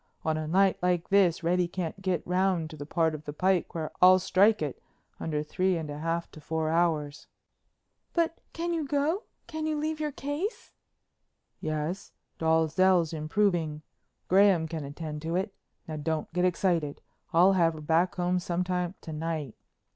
On a night like this Reddy can't get round to the part of the pike where I'll strike it under three and a half to four hours." "But can you go—can you leave your case?" "Yes—Dalzell's improving. Graham can attend to it. Now don't get excited, I'll have her back some time to night.